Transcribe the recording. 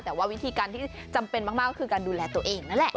แต่ว่าวิธีการที่จำเป็นมากก็คือการดูแลตัวเองนั่นแหละ